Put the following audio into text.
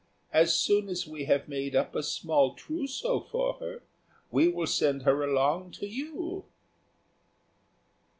As soon as we have made up a small trousseau for her, we will send her along to you."